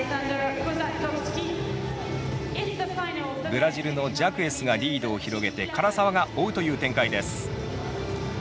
ブラジルのジャクエスがリードを広げて唐澤が追うという展開です。